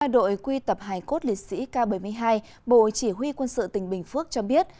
đội quy tập hải cốt liệt sĩ k bảy mươi hai bộ chỉ huy quân sự tỉnh bình phước cho biết